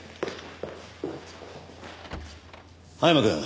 青山くん。